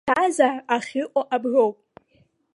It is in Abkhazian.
Аԥсҭазаара ахьыҟоу аброуп.